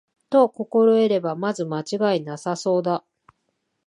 と心得れば、まず間違いはなさそうだ